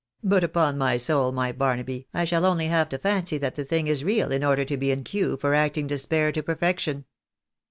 But upon my soul, my Barnaby, I shall only have to fancy that the thing is real in order to be in cue for acting despair to perfection."